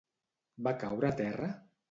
Va caure a terra?